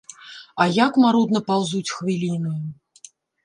А як марудна паўзуць хвіліны.